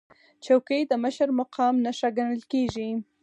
چوکۍ د مشر مقام نښه ګڼل کېږي.